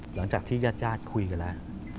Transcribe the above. หลังจากที่ญาติคุยกันแล้ว